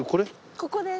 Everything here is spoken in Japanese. ここです。